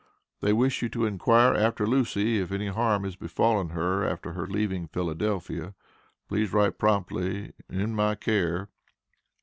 They wish you to inquire after Lucy if any harm has befallen her after her leaving Philadelphia. Please write promptly in my care.